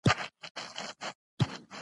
• خندا د زړه دارو ده.